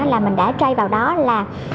là mình đã trade vào đó là